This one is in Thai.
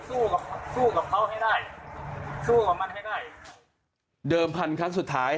สู้กับเขาให้ได้สู้กับมันให้ได้เดิมพันครั้งสุดท้าย